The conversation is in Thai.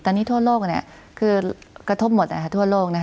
ตอนนี้ทั่วโลกคือกระทบหมดทั่วโลก